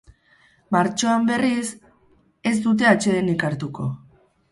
Martxoan, berriz, ez dute atsedenik hartuko.